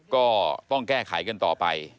ก็ต้องแก้ไขกันต่อไป